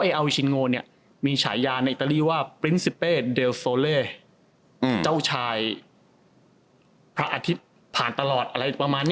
ไอ้อัลชินโงเนี่ยมีฉายาในอิตาลีว่าปริ้นซิเป้เดลโซเลเจ้าชายพระอาทิตย์ผ่านตลอดอะไรประมาณนี้